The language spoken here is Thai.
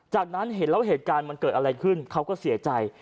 จากนั้นเห็นแล้วเหตุการณ์มันเกิดอะไรขึ้นเขาก็เสียใจ